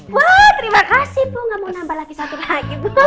wah terima kasih bu gak mau nambah lagi satu lagi bu